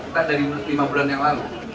kita dari lima bulan yang lalu